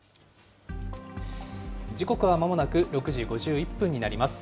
時刻はまもなく６時５１分になります。